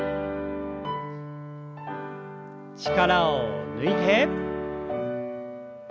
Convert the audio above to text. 力を抜いて。